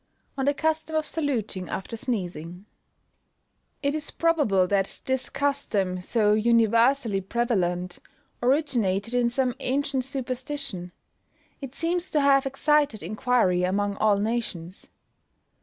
ON THE CUSTOM OF SALUTING AFTER SNEEZING. It is probable that this custom, so universally prevalent, originated in some ancient superstition; it seems to have excited inquiry among all nations.